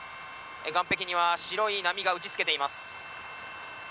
岸壁には白い波が打ち付けています。